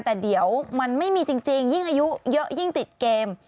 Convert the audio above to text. แต่เดี๋ยวมันไม่มีจริงยิ่งอายุเยอะยิ่งติดเกม